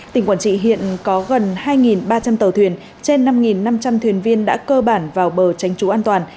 tỉnh quản trị hiện có gần hai ba trăm linh tàu thuyền trên năm năm trăm linh thuyền viên đã cơ bản vào bờ tránh trú an toàn